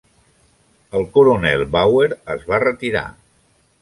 El coronel Bauer es va retirar.